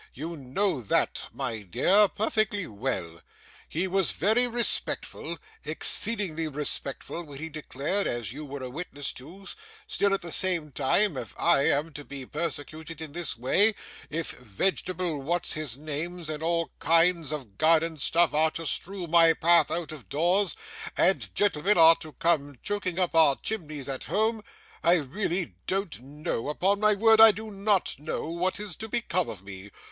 You know that, my dear, perfectly well. He was very respectful, exceedingly respectful, when he declared, as you were a witness to; still at the same time, if I am to be persecuted in this way, if vegetable what's his names and all kinds of garden stuff are to strew my path out of doors, and gentlemen are to come choking up our chimneys at home, I really don't know upon my word I do NOT know what is to become of me.